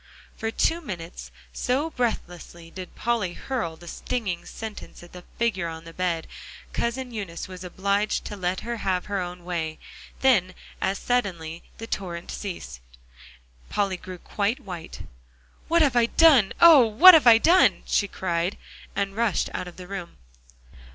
For two minutes, so breathlessly did Polly hurl the stinging sentences at the figure on the bed, Cousin Eunice was obliged to let her have her own way. Then as suddenly, the torrent ceased. Polly grew quite white. "What have I done oh! what have I done?" she cried, and rushed out of the room.